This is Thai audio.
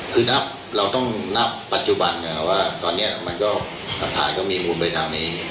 คือเราต้องนับปัจจุบันว่าตอนนี้รับฐานก็มีมุมไปตามนี้